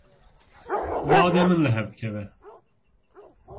Madê min li hev dikeve.